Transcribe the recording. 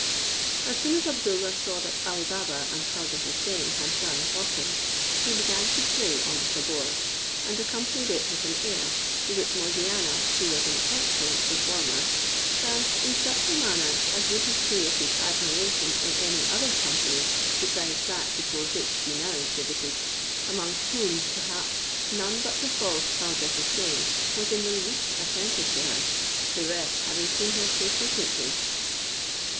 As soon as Abdoollah saw that Ali Baba and Khaujeh Houssain had done talking, he began to play on the tabor, and accompanied it with an air; to which Morgiana, who was an excellent performer, danced in such a manner as would have created admiration in any other company besides that before which she now exhibited, among whom, perhaps, none but the false Khaujeh Houssain was in the least attentive to her, the rest having seen her so frequently.